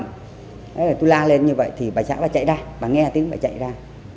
thế tôi la lên như vậy thì bà xã bà chạy ra bà nghe tiếng bà chạy ra